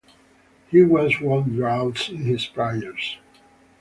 He was wondrous in his prayers.